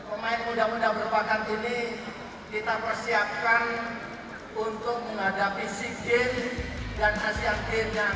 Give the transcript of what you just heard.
insya allah pemain muda muda berpakat ini kita persiapkan untuk menghadapi si game dan asian game yang akan datang